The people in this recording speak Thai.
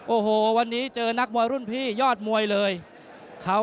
โอโหวันนี้เจอนักมวยรุ่นพีชมันพีชมากครับ